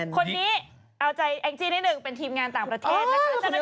คนนี้เอาใจแองจี้นิดหนึ่งเป็นทีมงานต่างประเทศนะคะ